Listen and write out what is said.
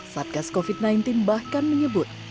satgas covid sembilan belas bahkan menyebut